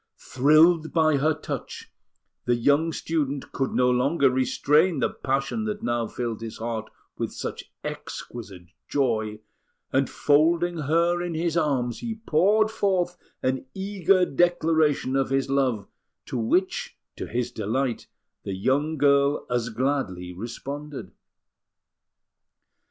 Thrilled by her touch, the young student could no longer restrain the passion that now filled his heart with such exquisite joy; and folding her in his arms, he poured forth an eager declaration of his love, to which, to his delight, the young girl as gladly responded.